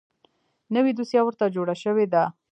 نوې دوسیه ورته جوړه شوې ده .